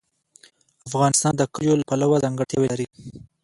افغانستان د کلیو له پلوه ځانګړتیاوې لري.